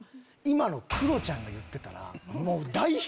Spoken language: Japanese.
今のクロちゃんが言ってたら。